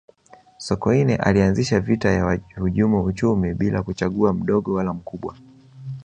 sokoine alianzisha vita ya wahujumu uchumi bila kuchagua mdogo wala mkubwa